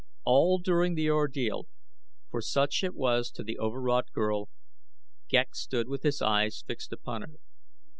All during the ordeal, for such it was to the overwrought girl, Ghek stood with his eyes fixed upon her.